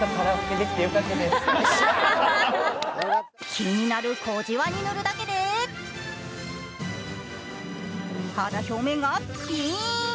気になる小じわにぬるだけで、肌表面がピーン。